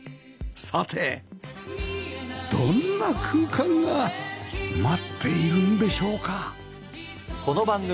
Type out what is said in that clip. さてどんな空間が待っているんでしょうか？